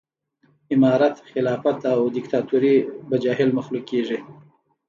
امارت خلافت او ديکتاتوري به جاهل مخلوق کېږي